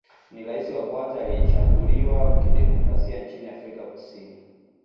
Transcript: Ni rais wa kwanza aliyechaguliwa kidemokrasia nchini Afrika Kusini